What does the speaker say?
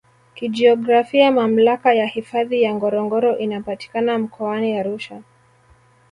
Kijiografia Mamlaka ya hifadhi ya Ngorongoro inapatikana Mkoani Arusha